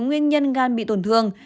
nguyên nhân gan bị tổn thương